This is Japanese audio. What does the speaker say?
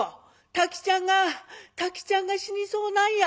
「太吉っちゃんが太吉っちゃんが死にそうなんや」。